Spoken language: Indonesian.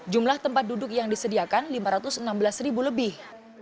jumlah tempat duduk yang disediakan lima ratus enam belas ribu lebih